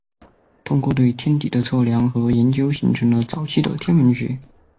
通过对天体的测量和研究形成了早期的天文学。